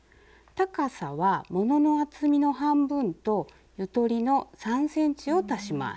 高さは物の厚みの半分とゆとりの３ｃｍを足します。